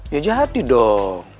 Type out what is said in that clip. ya jadi dong